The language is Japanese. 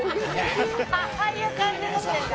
「ああいう感じになってるんだ」